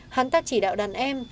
hắn tác chỉ đạo đàn em